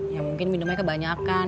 ya mungkin minumnya kebanyakan